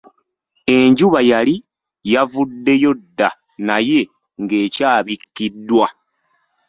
Enjuba yali yavuddeyo dda naye ng'ekyabikkiddwa.